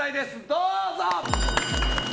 どうぞ！